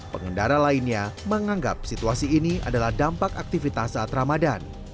pengendara lainnya menganggap situasi ini adalah dampak aktivitas saat ramadan